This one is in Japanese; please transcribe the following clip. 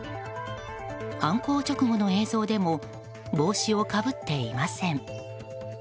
犯行直後の映像でも帽子をかぶっていません。